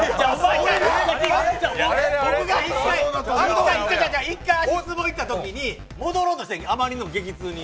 僕が１回、足つぼ行ったときに戻ろうとした、あまりの激痛に。